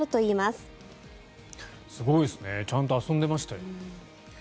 すごいですねちゃんと遊んでましたよ。